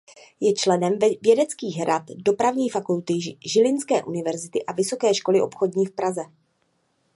Je členem vědeckých rad dopravní fakulty Žilinské univerzity a Vysoké školy obchodní v Praze.